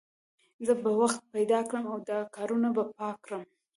زه به وخت پیدا کړم او دا کارونه به پاک کړم